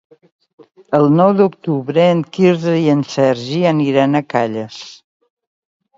El nou d'octubre en Quirze i en Sergi aniran a Calles.